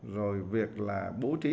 rồi việc là bố trí